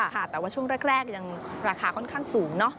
ค่ะแต่ว่าช่วงแรกยังราคาค่อนข้างสูงเนอะ